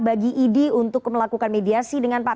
bagi idi untuk melakukan mediasi dengan pak